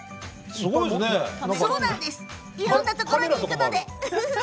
いろんなところに行くのでね。